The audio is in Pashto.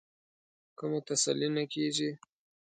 که مو تسلي نه کېږي.